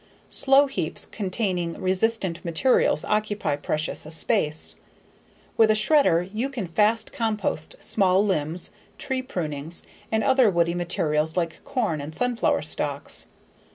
Slow heaps containing resistant materials occupy precious space. With a shredder you can fast compost small limbs, tree prunings, and other woody materials like corn and sunflower stalks.